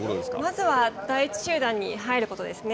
まずは第一集団に入ることですね。